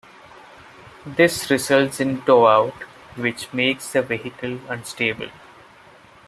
This results in toe out, which makes the vehicle unstable.